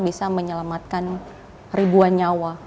bisa menyelamatkan ribuan nyawa